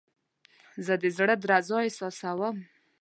زه د زړه درزا احساسوم.